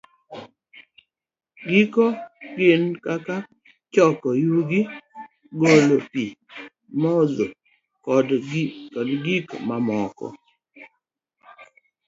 Gigo gin kaka choko yugi, golo pi modho, kod gik mamoko.